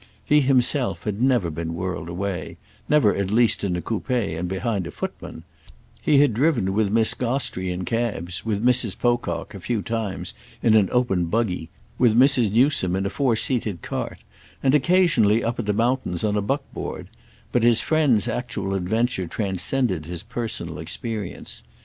He himself had never been whirled away—never at least in a coupé and behind a footman; he had driven with Miss Gostrey in cabs, with Mrs. Pocock, a few times, in an open buggy, with Mrs. Newsome in a four seated cart and, occasionally up at the mountains, on a buckboard; but his friend's actual adventure transcended his personal experience.